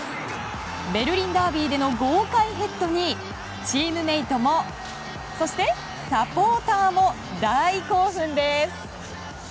ベルリンダービーでの豪快ヘッドにチームメートもそして、サポーターも大興奮です！